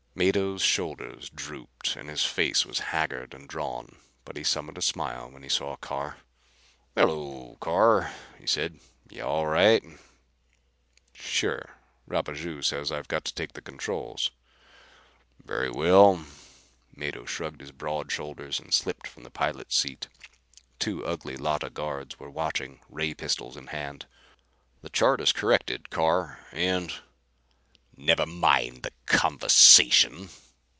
Mado's shoulders drooped and his face was haggard and drawn, but he summoned a smile when he saw Carr. "Hello, Carr," he said. "You all right?" "Sure. Rapaju says I've got to take the controls." "Very well." Mado shrugged his broad shoulders and slipped from the pilot's seat. Two ugly Llotta guards were watching, ray pistols in hand. "The chart is corrected, Carr, and " "Never mind the conversation!"